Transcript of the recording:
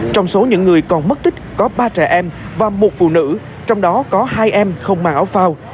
trong số những người còn mất tích có ba trẻ em và một phụ nữ trong đó có hai em không mang áo phao